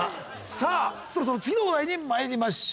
さあそろそろ次のお題にまいりましょう。